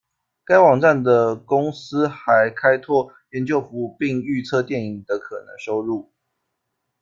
该网站的公司还开拓研究服务并预测电影的可能收入。